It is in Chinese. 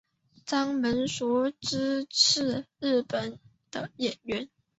长门裕之是日本的演员。